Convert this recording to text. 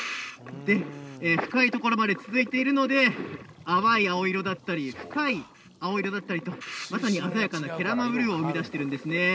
深いところまで続いているので淡い青色だったり深い青色だったりとまさに鮮やかな慶良間ブルーを生み出しているんですね。